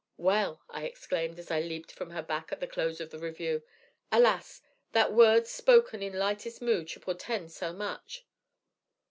'Well,' I exclaimed, as I leaped from her back at the close of the review alas! that words spoken in lightest mood should portend so much!